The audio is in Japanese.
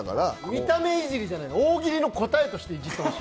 見た目いじりじゃない、大喜利の答えとしていじっただけ。